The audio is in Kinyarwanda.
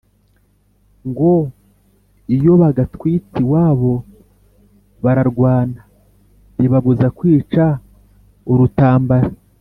ngo iyobagatwitse iwabo bararwana; ribabuza kwica urutambara,